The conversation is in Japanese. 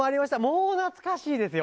もう懐かしいですよ。